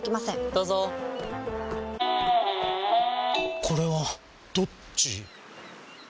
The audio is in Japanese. どうぞこれはどっち？